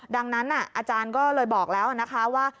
ดังนั้นอาจารย์ก็เลยบอกแล้วนะคะว่า